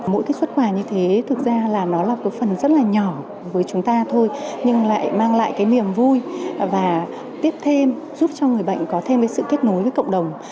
mỗi cái xuất quà như thế thực ra là nó là cái phần rất là nhỏ với chúng ta thôi nhưng lại mang lại cái niềm vui và tiếp thêm giúp cho người bệnh có thêm cái sự kết nối với cộng đồng